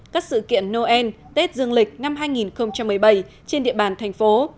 các sự kiện noel tết dương lịch năm hai nghìn một mươi bảy trên địa bàn thành phố